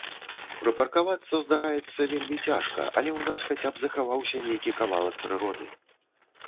Прыпаркавацца, здараецца, вельмі цяжка, але ў нас хаця б захаваўся нейкі кавалак прыроды.